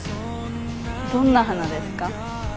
どんな花ですか？